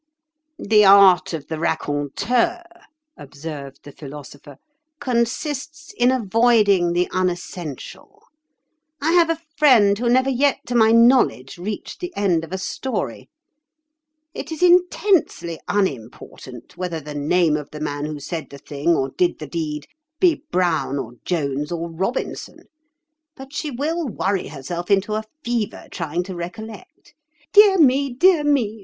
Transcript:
"The art of the raconteur," observed the Philosopher, "consists in avoiding the unessential. I have a friend who never yet to my knowledge reached the end of a story. It is intensely unimportant whether the name of the man who said the thing or did the deed be Brown or Jones or Robinson. But she will worry herself into a fever trying to recollect. 'Dear, dear me!